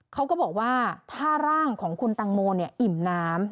เขาก็บอกว่าถ้าร่างของคุณตังโมอิ่มน้ำ